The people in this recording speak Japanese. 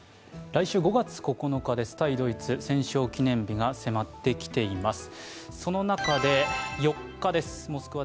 来週５月９日です、対ドイツ戦勝記念日が迫ってきています。